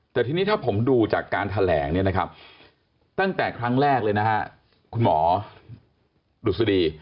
แต่ทีนี้ถ้าผมดูจากการแถลงตั้งแต่ครั้งแรกเลยคุณหมอดุสดี